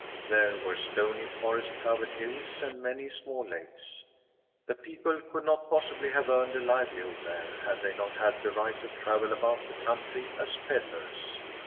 There were stony, forest covered hills, and many small lakes. The people could not possibly have earned a livelihood there had they not had the right to travel about the country as pedlars.